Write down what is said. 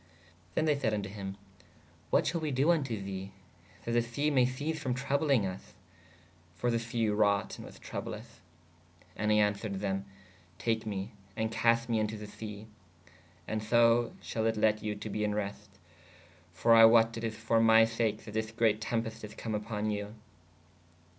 ¶ Then they sayd vn to hym/ what shall we doo vnto the/ that the se maye cease frō trowblinge vs? For the se wrought & was trowblous. And he answered them/ take me and cast me in to the se/ & so shall it lett you be in reste: for I wotte/ is is for my sake/ that this greate tempest is come oppon you.